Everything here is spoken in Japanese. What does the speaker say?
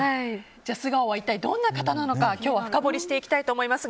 素顔は一体どんな方なのか今日は深掘りしていきたいと思います。